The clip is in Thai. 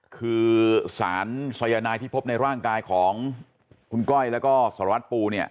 คือสารสายนายที่พบในร่างกายของคุณก้อยแล้วก็สารวัตรปูเนี่ย